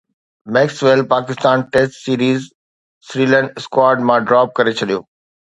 Maxwell Pakistan test series سريلن squad مان drop ڪري ڇڏيو